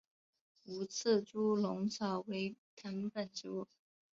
无刺猪笼草为藤本植物。